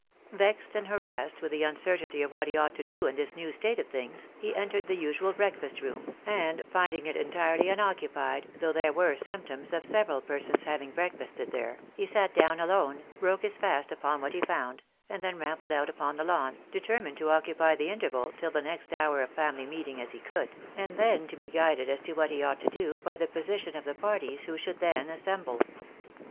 Vexed and harassed with the uncertainty of what he ought to do in this new state of things, he entered the usual breakfast room, and, finding it entirely unoccupied, though there were symptoms of several persons having breakfasted there, he sat down alone, broke Ms fast upon what he found, and then rambled out upon the lawn, determined to occupy the interval tiU the next hour of family meeting as he could, and then to be guided as to what he ought to do by the position of the parties who should then assemble.